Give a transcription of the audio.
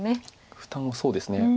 負担そうですね。